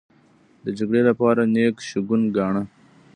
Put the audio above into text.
د جګړې لپاره نېک شګون گاڼه.